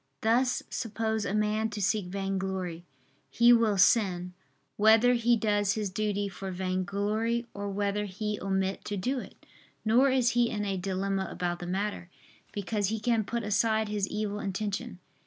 Thus suppose a man to seek vainglory, he will sin, whether he does his duty for vainglory or whether he omit to do it. Nor is he in a dilemma about the matter: because he can put aside his evil intention.